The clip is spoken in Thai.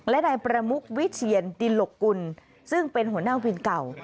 และนายประมุกวิเชียนดินหลกกุลซึ่งเป็นหัวหน้าวินเก่า